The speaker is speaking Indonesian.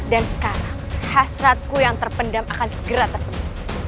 dan sekarang hasratku yang terpendam akan segera terpenuhi